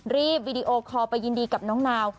วีดีโอคอลไปยินดีกับน้องนาว